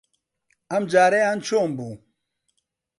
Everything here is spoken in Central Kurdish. ئەمجارەیان چۆن بوو؟